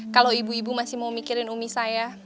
kalau ibu ibu masih mau mikirin umi saya